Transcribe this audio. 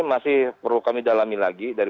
masih perlu kami dalami lagi dari